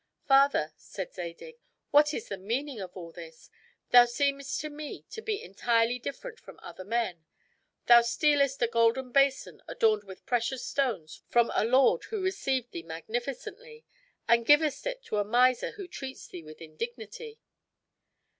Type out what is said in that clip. "Father," said Zadig, "what is the meaning of all this? Thou seemest to me to be entirely different from other men; thou stealest a golden basin adorned with precious stones from a lord who received thee magnificently, and givest it to a miser who treats thee with indignity."